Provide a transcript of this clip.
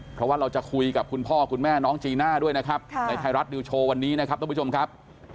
เพราะว่าเราจะคุยกับคุณพ่อคุณแม่น้องจีน่าด้วยนะครับในไทยรัฐนิวโชว์วันนี้นะครับท่านผู้ชมครับ